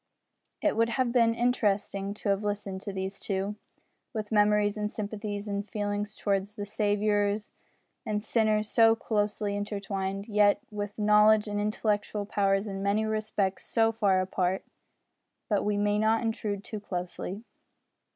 It would have been interesting to have listened to these two with memories and sympathies and feelings towards the Saviour of sinners so closely intertwined, yet with knowledge and intellectual powers in many respects so far apart. But we may not intrude too closely.